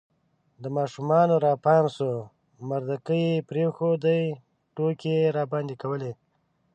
د ماشومانو را پام سو مردکې یې پرېښودې، ټوکې یې راباندې کولې